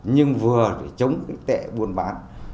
nhưng vừa chống tệ buôn bán